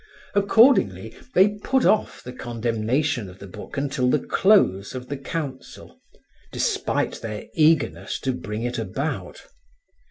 Accordingly they put off the condemnation of the book until the close of the council, despite their eagerness to bring it about.